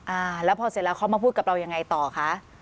อ่าแล้วพอเสร็จแล้วเขามาพูดกับเรายังไงต่อคะ